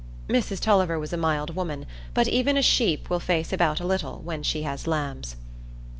Mrs Tulliver was a mild woman, but even a sheep will face about a little when she has lambs.